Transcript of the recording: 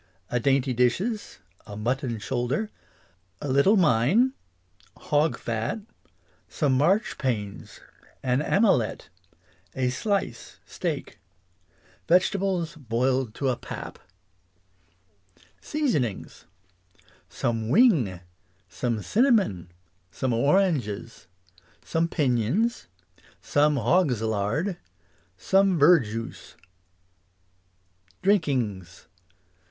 A dainty dishes A mutton shoulder 3 A little mine Hog fat Some marchpanes An amelet A slice, steak [pap Vegetables boiled to a lO English as she is spoke. Seasonings. Some wing Some cinnamon Some oranges Some pinions Some hog'slard Some verjuice Drinkings.